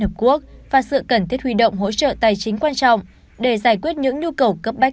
hợp quốc và sự cần thiết huy động hỗ trợ tài chính quan trọng để giải quyết những nhu cầu cấp bách